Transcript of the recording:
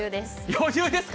余裕ですか？